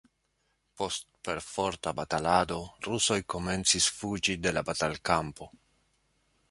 Post perforta batalado rusoj komencis fuĝi de la batalkampo.